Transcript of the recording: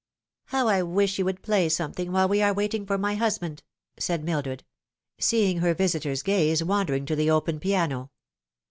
" How I wish you would play something while we are wait ing for my husband !" said Mildred, seeing her visitor's gaze V7a,:idering to the open piano.